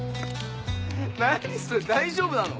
何それ大丈夫なの？